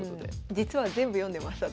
実は全部読んでます私。